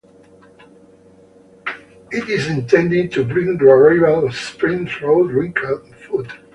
It is intended to bring the arrival of spring through drink and food.